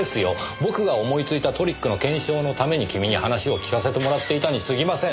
僕が思いついたトリックの検証のために君に話を聞かせてもらっていたに過ぎません。